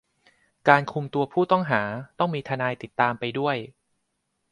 การคุมตัวผู้ต้องหา ต้องมีทนายติดตามไปด้วย